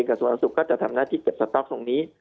กระทรวงสุขก็จะทำหน้าที่เก็บสต๊อกตรงนี้